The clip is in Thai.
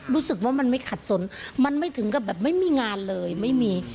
รู้สึกว่ามันไม่ขัดสนมันไม่ถึงกับแบบไม่มีงานเลยไม่มี